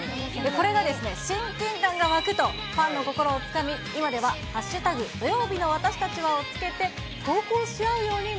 これが親近感が湧くと、ファンの心をつかみ、今では＃土曜日のわたしたちはを付けて投稿し合うよ